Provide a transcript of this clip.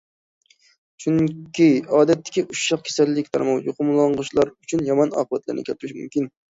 چۈنكى ئادەتتىكى ئۇششاق كېسەللىكلەرمۇ يۇقۇملانغۇچىلار ئۈچۈن يامان ئاقىۋەتلەرنى كەلتۈرۈشى مۇمكىن.